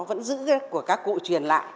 vẫn giữ cái lề lối của các cụ truyền